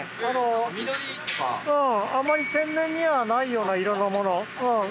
このあまり天然にはないような色のもの